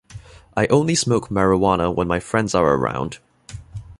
I only smoke marijuana when my friends are around.